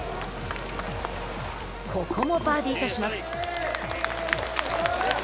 ここもバーディーとします。